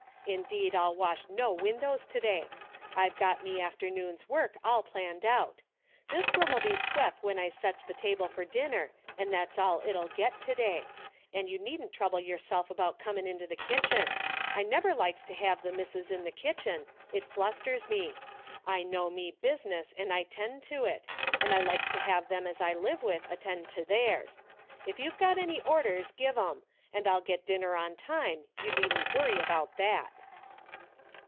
Indeed I'll wash no windows to day. I've got me afternoon's work all planned out. This room'll be swep' 136 DAILY RATE.^' when I sets the table fer dinner, an^ that's all it'll get to day. And you needn't trouble your self about cornin' in the kitchen. I never likes to have the missus in the kitchen, it flusters me. I know me business and I 'tend to it, and I likes to have them as I live with attend to theirs. If you've got any orders, give 'em, and I'll get dinner on time, you needn't worry about that."